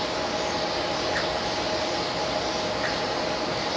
ต้องเติมเนี่ย